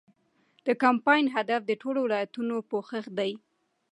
د کمپاین هدف د ټولو ولایتونو پوښښ دی.